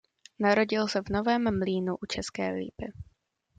Narodil se v Novém Mlýnu u České Lípy.